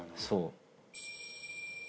そう。